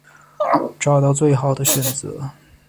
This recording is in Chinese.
找到最好的选择